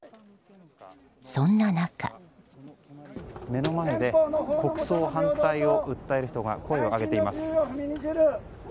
目の前で国葬反対を訴える人が声を上げています。